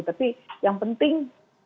tapi yang penting